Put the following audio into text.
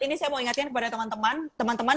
ini saya mau ingatkan kepada teman teman